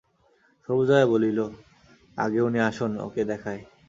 সর্বজয়া বলিল, আগে উনি আসুন, ওঁকে দেখাই।